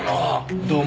どうも。